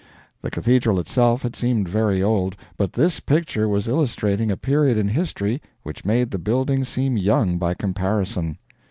The Cathedral itself had seemed very old; but this picture was illustrating a period in history which made the building seem young by comparison.